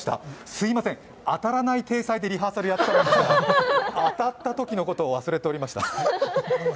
すみません、当たらない体裁でリハーサルやってたんですけど、当たったときのことを忘れておりました。